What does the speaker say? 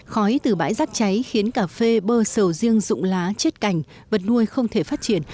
khói từ bãi rác cháy khiến cà phê bơ sầu riêng rụng lá chết cành vật nuôi không thể phát triển